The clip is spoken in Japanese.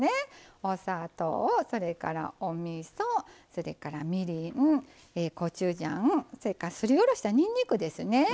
お砂糖、それからおみそそれから、みりんコチュジャンすり下ろしたにんにくですね。